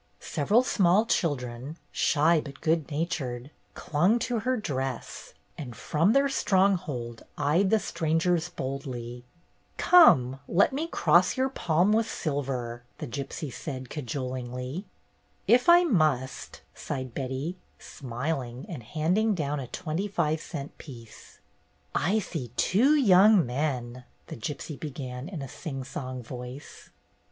Several small children, shy but good natured, clung to her dress, and from their stronghold eyed the strangers boldly. ''Come, let me cross your palm with silver,'' the gypsy said cajolingly. "If I must," sighed Betty, smiling, and handing down a twenty five cent piece. "I see two young men," the gypsy began, in a sing song voice.